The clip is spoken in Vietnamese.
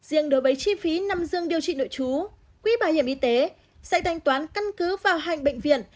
riêng đối với chi phí nằm dương điều trị nội trú quỹ bảo hiểm y tế sẽ thanh toán căn cứ vào hành bệnh viện